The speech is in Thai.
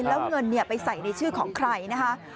แล้วเงินไปใส่ในชื่อของใครนะคะ